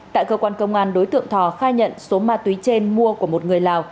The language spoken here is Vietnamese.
tại cơ quan công an đối tượng thò khai nhận số ma túy trên mua của một người lào